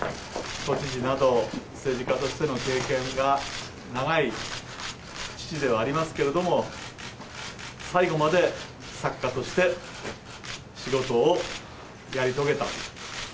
都知事など、政治家としての経験が長い父ではありますけれども、最後まで作家として仕事をやり遂げた。